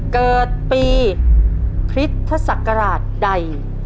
เกิดปีพฤษฎศักราชใด